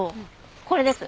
これです。